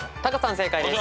正解です。